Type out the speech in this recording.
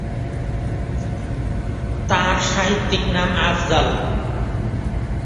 তাঁর সাহিত্যিক নাম ‘আফজাল’।